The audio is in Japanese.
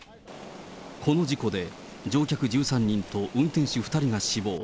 この事故で、乗客１３人と運転手２人が死亡。